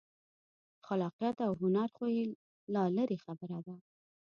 خلاقیت او هنر خو یې لا لرې خبره ده.